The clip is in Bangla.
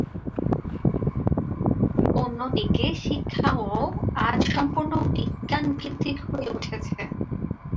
অন্যদিকে শিক্ষাও আজ সম্পূর্ণ বিজ্ঞানভিত্তিক হয়ে উঠেছে।